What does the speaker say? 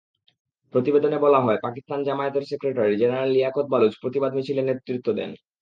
প্রতিবেদনে বলা হয়, পাকিস্তান জামায়াতের সেক্রেটারি জেনারেল লিয়াকত বালুচ প্রতিবাদ মিছিলে নেতৃত্ব দেন।